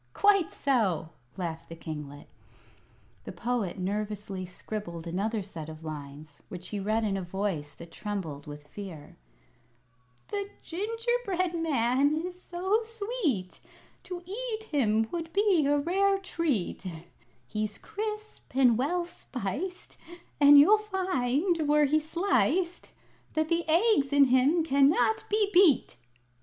"Quite so," laughed the kinglet. The Poet nervously scribbled another set of lines, which he read in a voice that trembled with fear: "The Gingerbread Man is so sweet, To eat him would be a rare treat; He's crisp and well spiced, And you'd find, were he sliced, That the eggs in him cannot be beat!"